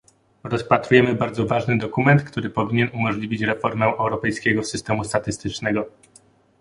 Rozpatrujemy bardzo ważny dokument, który powinien umożliwić reformę europejskiego systemu statystycznego